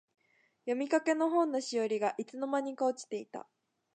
読みかけの本のしおりが、いつの間にか落ちていた。